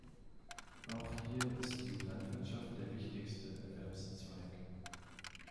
Auch hier ist die Landwirtschaft der wichtigste Erwerbszweig.